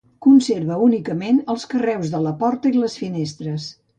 Conserva únicament els carreus de la porta i les finestres.